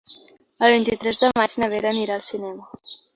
El vint-i-tres de maig na Vera anirà al cinema.